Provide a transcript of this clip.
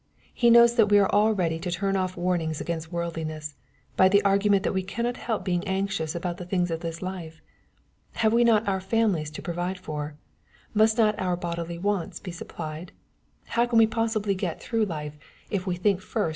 He knows tbat we are all ready to turn off warnings against worldliness, by the argument that we cannot help being anxious nbout the things of this life. " Have we not our families to provide for ? Must not our bodily wants be supplied ? How can we possibly get through life, if we think first MATTHEW^ CHAP. VI.